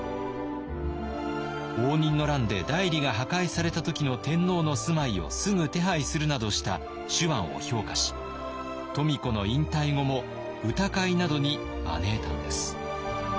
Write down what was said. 応仁の乱で内裏が破壊された時の天皇の住まいをすぐ手配するなどした手腕を評価し富子の引退後も歌会などに招いたんです。